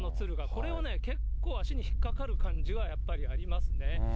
これを結構足に引っかかる感じはやっぱりありますね。